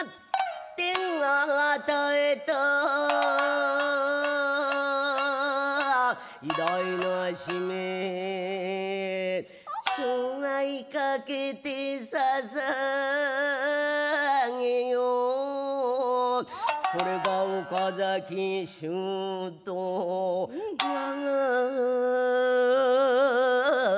「天が与えた偉大な使命」「生涯かけて捧げよう」「其れが岡崎衆と我が親に」